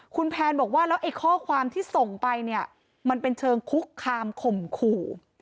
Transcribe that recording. คุณแพนบอกว่าแล้วไอ้ข้อความที่ส่งไปเนี่ยมันเป็นเชิงคุกคามข่มขู่